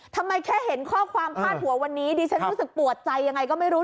แค่เห็นข้อความพาดหัววันนี้ดิฉันรู้สึกปวดใจยังไงก็ไม่รู้